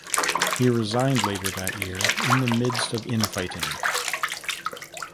He resigned later that year in the midst of infighting.